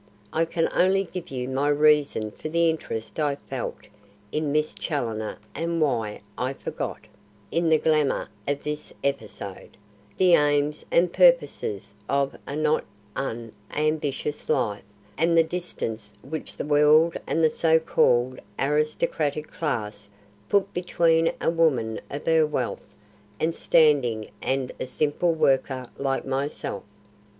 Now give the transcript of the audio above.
I can only give you my reason for the interest I felt in Miss Challoner and why I forgot, in the glamour of this episode, the aims and purposes of a not unambitious life and the distance which the world and the so called aristocratic class put between a woman of her wealth and standing and a simple worker like myself.